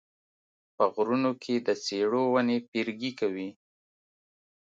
په غرونو کې د څېړو ونې پیرګي کوي